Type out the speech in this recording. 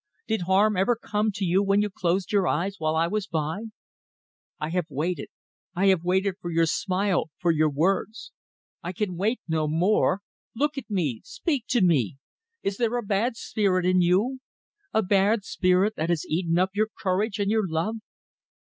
Did harm ever come to you when you closed your eyes while I was by? ... I have waited ... I have waited for your smile, for your words ... I can wait no more.. .. Look at me ... speak to me. Is there a bad spirit in you? A bad spirit that has eaten up your courage and your love?